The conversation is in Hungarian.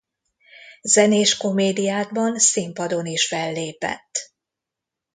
Zenés komédiákban színpadon is fellépett.